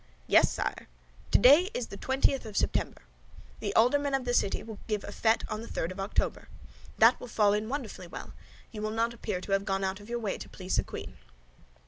"Yes, sire. Today is the twentieth of September. The aldermen of the city give a fête on the third of October. That will fall in wonderfully well; you will not appear to have gone out of your way to please the queen."